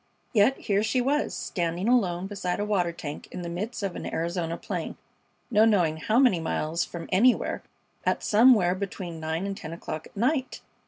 Yet here she was, standing alone beside a water tank in the midst of an Arizona plain, no knowing how many miles from anywhere, at somewhere between nine and ten o'clock at night!